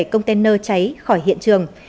công tên nơ cháy khỏi hiện trường